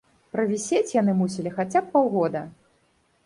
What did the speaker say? Правісець яны мусілі хаця б паўгода.